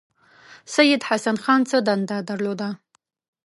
سید حسن خان څه دنده درلوده.